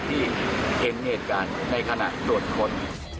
ที่เองเนตการณ์ในขณะโดดคลน